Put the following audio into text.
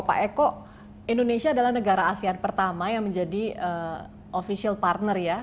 pak eko indonesia adalah negara asean pertama yang menjadi official partner ya